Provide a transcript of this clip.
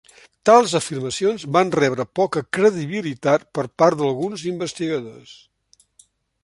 Tals afirmacions van rebre poca credibilitat per part d'alguns investigadors.